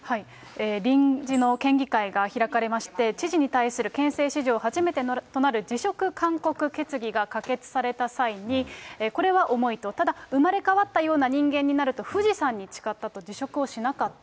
臨時の県議会が開かれまして、知事に対する県政史上初めてとなる辞職勧告決議が可決された際に、これは重いと、生まれ変わったような人間になると、富士山に誓ったと、辞職をしなかった。